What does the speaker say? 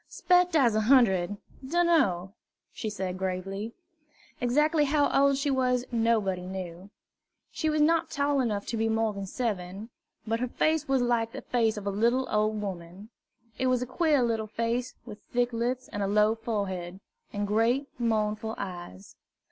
"'Spect I's a hundred, dunno," she said gravely. Exactly how old she was nobody knew. She was not tall enough to be more than seven, but her face was like the face of a little old woman. It was a queer little face, with thick lips and low forehead, and great mournful eyes.